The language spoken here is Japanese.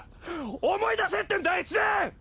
思い出せってんだ越前！！